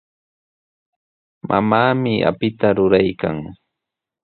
Mamaami apita ruraykan.